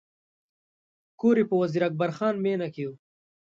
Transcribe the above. کور یې په وزیر اکبر خان مېنه کې و.